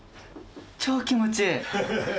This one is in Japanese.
超気持ちいい。